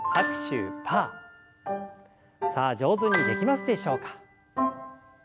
さあ上手にできますでしょうか。